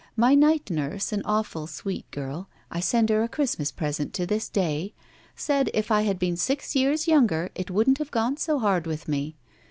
My night nurse, an awftd sweet girl — I send her a Christmas present to this day — said if I had been six years yotmger it wouldn't have gone so hard with me.